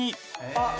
あっ！